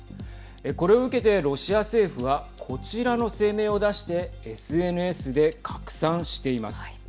これを受けてロシア政府はこちらの声明を出してＳＮＳで拡散しています。